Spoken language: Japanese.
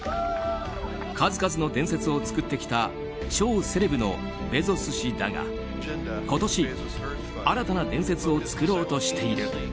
数々の伝説を作ってきた超セレブのベゾス氏だが今年、新たな伝説を作ろうとしている。